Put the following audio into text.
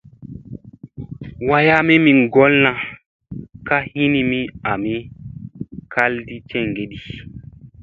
Wayamii mi ŋgolla ka hinimi ami kaldi ceŋge di.